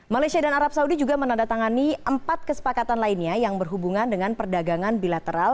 malaysia dan arab saudi juga menandatangani empat kesepakatan lainnya yang berhubungan dengan perdagangan bilateral